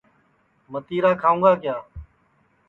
متِرا کھاؤں گا کِیا